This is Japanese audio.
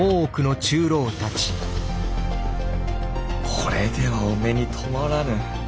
コレではお目に留まらぬ！